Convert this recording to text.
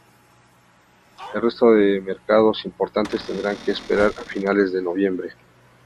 El resto de mercados importantes tendrán que esperar a finales de noviembre.